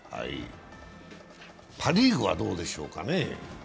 パ・リーグはどうでしょうかね。